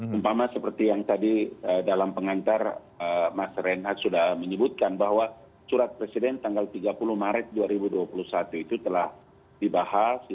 umpama seperti yang tadi dalam pengantar mas renhat sudah menyebutkan bahwa surat presiden tanggal tiga puluh maret dua ribu dua puluh satu itu telah dibahas